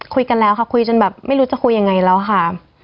คุยกันแล้วค่ะคุยจนแบบไม่รู้จะคุยยังไงแล้วค่ะ